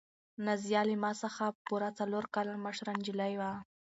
نازیه له ما څخه پوره څلور کاله مشره نجلۍ وه.